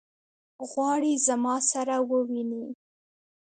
غواړي زما سره وویني.